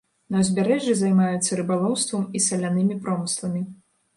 На ўзбярэжжы займаюцца рыбалоўствам і салянымі промысламі.